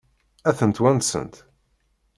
Ad tent-wansent?